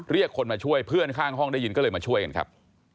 เรียกคนมาช่วยเพื่อนข้างห้องได้ยินก็เลยมาช่วยกันครับ